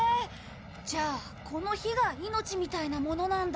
じゃあこの火が命みたいなものなんだ。